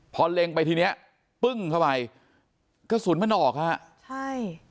พอเล็งไปทีเนี้ยปึ้งเข้าไปกระสุนมันออกฮะใช่